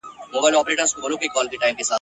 چي تر څو په دې وطن کي نوم د پیر وي ..